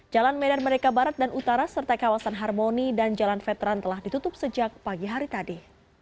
jalan medan merdeka barat dan utara serta kawasan harmoni dan jalan veteran telah ditutup sejak pagi hari tadi